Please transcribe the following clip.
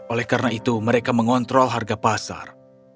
oleh karena itu mereka mengontrol harga pasar